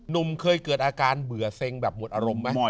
หนุ่มเคยเกิดอาการเบื่อเซ็งแบบหมดอารมณ์ไหม